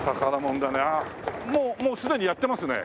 もうすでにやってますね。